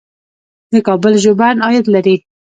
د کابل ژوبڼ عاید لري